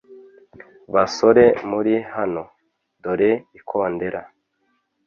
basore muri hano; dore ikondera.